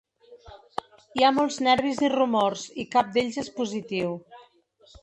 Hi ha molts nervis i rumors i cap d’ells és positiu.